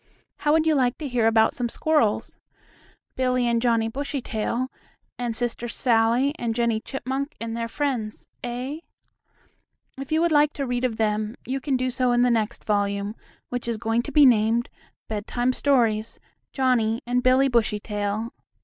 How would you like to hear about some squirrels? Billie and Johnnie Bushytail and Sister Sallie and Jennie Chipmunk and their friends, eh? If you would like to read of them you can do so in the next volume, which is going to be named, "Bedtime Stories: Johnnie and Billie Bushytail."